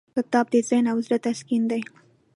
کتاب د ذهن او زړه تسکین دی.